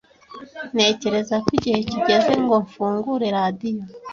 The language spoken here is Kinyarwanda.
Ntekereza ko igihe kigeze ngo mfungure radio.